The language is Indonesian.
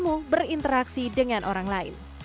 dan perhatikan keberadaan anda terhadap orang lain